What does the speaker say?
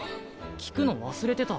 聞くの忘れてた。